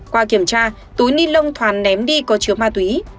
qua kiểm tra túi ni lông thoàn ném đi có chứa ma túy